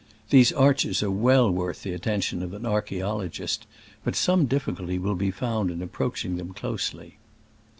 These arches are well worth the attention of an archaeologist, but some difHculty will be found in ap proaching them closely.